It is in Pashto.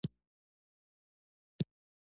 د ماسپښین لمانځه لپاره مسجد نبوي ته لاړو.